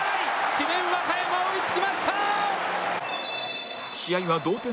智弁和歌山追い付きました！